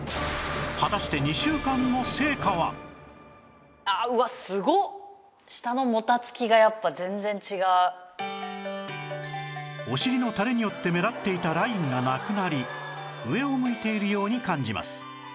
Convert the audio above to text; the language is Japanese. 果たしてお尻の垂れによって目立っていたラインがなくなり上を向いているように感じます